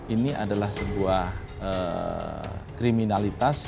ini adalah sebuah kriminalitas